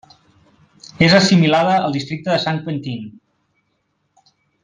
És assimilada al districte de Saint-Quentin.